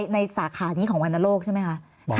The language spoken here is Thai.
สาขานี้ของวรรณโลกใช่ไหมคะ